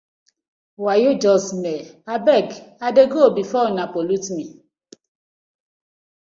Wayo just smell, I beg I dey go befor una pollute mi.